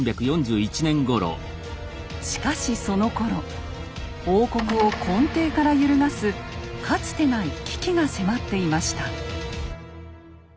しかしそのころ王国を根底から揺るがすかつてない危機が迫っていました。